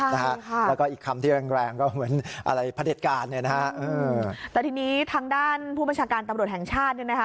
แล้วก็อีกคำที่แรงแรงก็เหมือนอะไรพระเด็จการเนี่ยนะฮะเออแต่ทีนี้ทางด้านผู้บัญชาการตำรวจแห่งชาติเนี่ยนะคะ